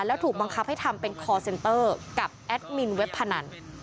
แล้วถูกบังคับให้ทำเป็นคอร์เซนเตอร์กับแอดมินเว็บพนัน